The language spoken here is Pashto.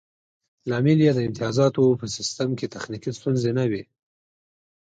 لامل یې د امتیازاتو په سیستم کې تخنیکي ستونزې نه وې